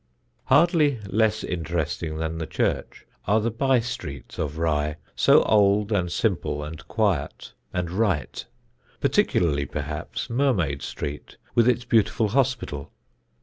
Hardly less interesting than the church are the by streets of Rye, so old and simple and quiet and right; particularly perhaps Mermaid Street, with its beautiful hospital.